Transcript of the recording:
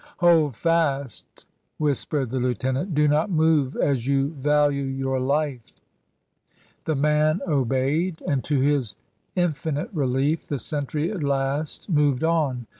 "Hold fast," whispered the Lieutenant, "do not move as you value your life." The man obeyed, and to his infinite relief the sentry at last moved on.